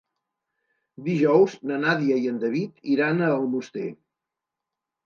Dijous na Nàdia i en David iran a Almoster.